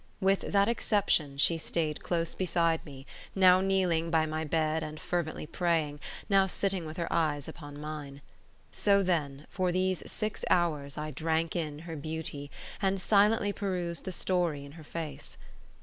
With that exception, she stayed close beside me, now kneeling by my bed and fervently praying, now sitting with her eyes upon mine. So then, for these six hours I drank in her beauty, and silently perused the story in her face.